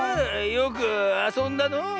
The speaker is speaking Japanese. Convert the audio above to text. よくあそんだのう。